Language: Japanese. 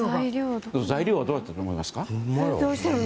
材料はどうやってると思いますか。